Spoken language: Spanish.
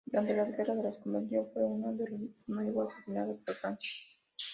Durante las guerras de la Convención, fue de nuevo asediada por Francia.